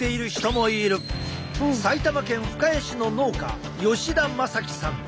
埼玉県深谷市の農家吉田将城さん。